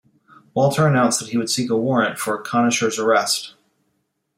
Walter announced that he would seek a warrant for Conacher's arrest.